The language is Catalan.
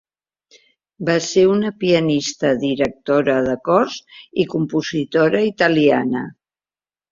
Va ser una pianista, directora de cors i compositora italiana.